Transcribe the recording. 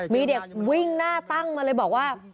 มีเด็กวิ่งหน้าตั้งมาเลยบอกว่า